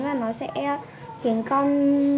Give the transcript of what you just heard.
và nó sẽ khiến con